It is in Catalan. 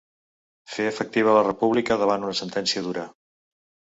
Fer efectiva la república davant una sentència ‘dura’